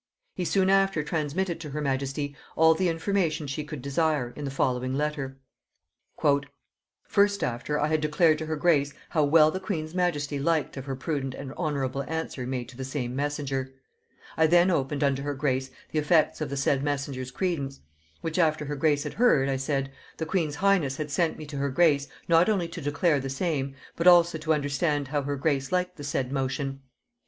He soon after transmitted to her majesty all the information she could desire, in the following letter: "First after I had declared to her grace how well the queen's majesty liked of her prudent and honorable answer made to the same messenger; I then opened unto her grace the effects of the said messenger's credence; which after her grace had heard, I said, the queen's highness had sent me to her grace, not only to declare the same, but also to understand how her grace liked the said motion.